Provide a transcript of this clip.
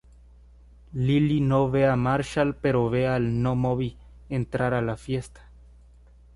Lily no ve a Marshall pero ve al "no Moby" entrar a la fiesta.